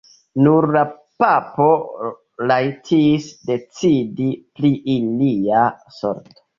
Nur la papo rajtis decidi pri ilia sorto.